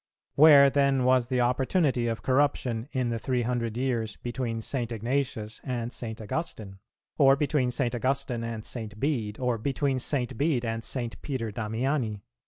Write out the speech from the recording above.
Where then was the opportunity of corruption in the three hundred years between St. Ignatius and St. Augustine? or between St. Augustine and St. Bede? or between St. Bede and St. Peter Damiani?